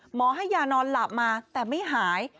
หมอให้ยานอนหลับมาแต่ไม่หาย